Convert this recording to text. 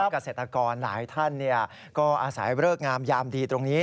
เกษตรกรหลายท่านก็อาศัยเริกงามยามดีตรงนี้